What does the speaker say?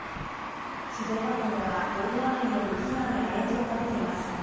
静岡県では大雨による被害や影響が出ています。